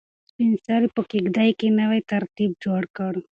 سپین سرې په کيږدۍ کې نوی ترتیب جوړ کړ.